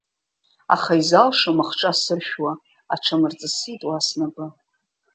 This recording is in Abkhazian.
Аха изалшом ахҿа сыршәуа аҽамырҵысит уа снапы.